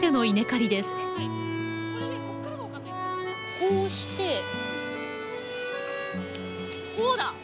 こうしてこうだ！